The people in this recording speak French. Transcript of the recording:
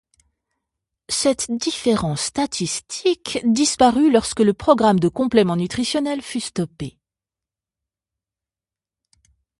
Cette différence statistique disparut lorsque le programme de compléments nutritionnels fut stoppé.